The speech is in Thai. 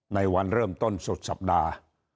ในวันเริ่มต้นสุดสัปดาห์